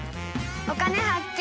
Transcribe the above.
「お金発見」。